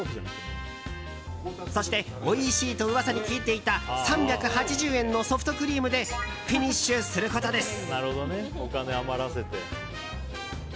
そしておいしいと噂に聞いていた３８０円のソフトクリームでフィニッシュすることです。